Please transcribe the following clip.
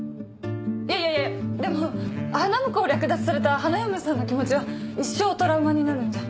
いやいやでも花婿を略奪された花嫁さんの気持ちは一生トラウマになるんじゃ。